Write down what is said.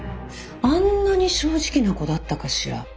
あんなに正直な子だったかしら。